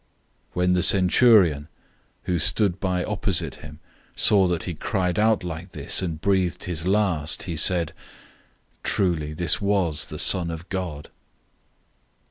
015:039 When the centurion, who stood by opposite him, saw that he cried out like this and breathed his last, he said, "Truly this man was the Son of God!"